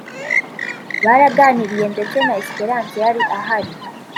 Baraganiriye ndetse na Espérance yari ahari